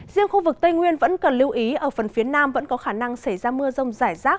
riêng khu vực tây nguyên vẫn cần lưu ý ở phần phía nam vẫn có khả năng xảy ra mưa rông rải rác